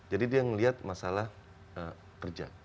jadi dia ngeliat masalah kerja